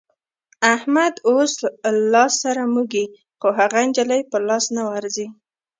احمد اوس لاس سره موږي خو هغه نجلۍ په لاس نه ورځي.